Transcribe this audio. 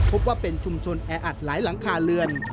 พบว่าเป็นชุมชนแออัดหลายหลังคาเรือน